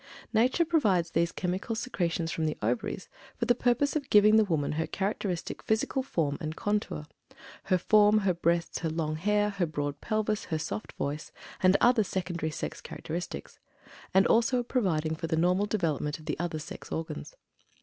Nature provides these chemical secretions from the Ovaries for the purpose of giving the woman her characteristic physical form and contour, her form, her breasts, her long hair, her broad pelvis, her soft voice, and other secondary sex characteristics; and also of providing for the normal development of the other sex organs.